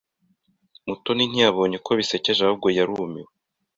Mutoni ntiyabonye ko bisekeje ahubwo yarumiwe.